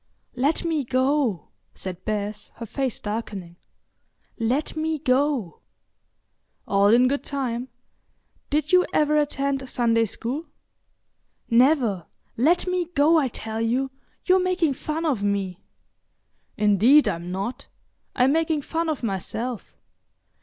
"Let me go," said Bess, her face darkening. "Let me go." "All in good time. Did you ever attend Sunday school?" "Never. Let me go, I tell you; you're making fun of me." "Indeed, I'm not. I'm making fun of myself....